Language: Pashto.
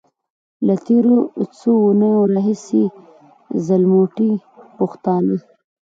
له تېرو څو اونيو راهيسې ځلموټي پښتانه.